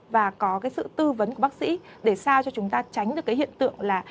và có sự tư vấn của bác sĩ để sao cho chúng ta tránh được hiện tượng là